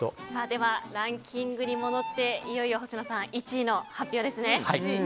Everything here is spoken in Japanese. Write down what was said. では、ランキングに戻っていよいよ、星野さん１位の発表ですね。